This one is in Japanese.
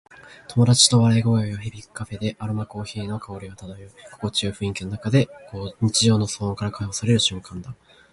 友達との笑い声が響くカフェで、アロマコーヒーの香りが漂う。心地よい雰囲気の中で、日常の喧騒から解放される瞬間だ。